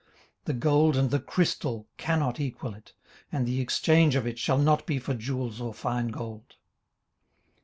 18:028:017 The gold and the crystal cannot equal it: and the exchange of it shall not be for jewels of fine gold.